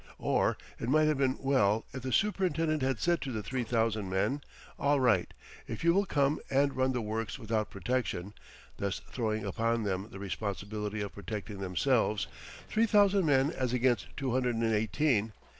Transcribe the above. Or, it might have been well if the superintendent had said to the three thousand men, "All right, if you will come and run the works without protection," thus throwing upon them the responsibility of protecting themselves three thousand men as against two hundred and eighteen.